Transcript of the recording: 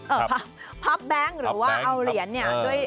เอ่อพับแบงค์หรือว่าเอาเหรียญเนี่ย